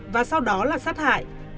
và sau đó là sát hại